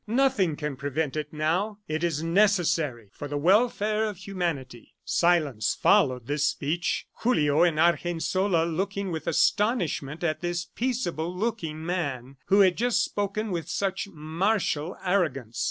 Nothing can prevent it now. It is necessary for the welfare of humanity." Silence followed this speech, Julio and Argensola looking with astonishment at this peaceable looking man who had just spoken with such martial arrogance.